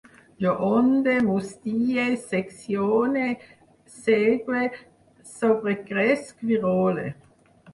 Jo onde, mustie, seccione, segue, sobrecresc, virole